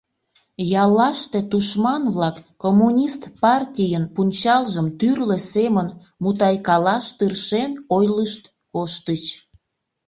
Яллаште тушман-влак, Коммунист партийын пунчалжым тӱрлӧ семын мутайкалаш тыршен, ойлышт коштыч.